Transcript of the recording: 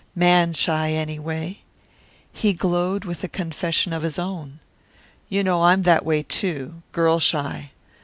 Man shy, anyway." He glowed with a confession of his own. "You know, I'm that way, too. Girl shy.